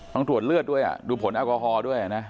ต้องตรวจเลือดด้วยดูผลแอลกอฮอลด้วยนะ